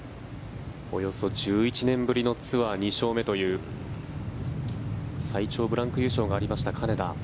およそ１１年ぶりのツアー２勝目という最長ブランク優勝がありました金田。